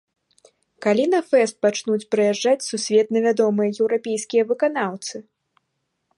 Калі на фэст пачнуць прыязджаць сусветна вядомыя еўрапейскія выканаўцы?